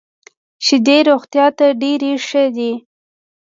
شیدې روغتیا ته ډېري ښه دي .